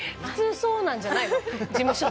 普通そうなんじゃないの？